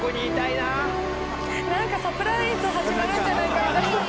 なんかサプライズ始まるんじゃないか。